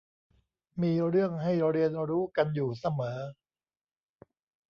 มีเรื่องให้เรียนรู้กันอยู่เสมอ